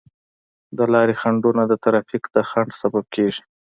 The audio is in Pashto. د لارې خنډونه د ترافیک د ځنډ سبب کیږي.